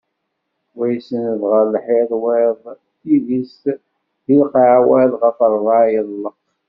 Wa isenned ɣer lḥiḍ wayeḍ tidist deg lqaɛa wayeḍ ɣef rebɛa yeḍleq.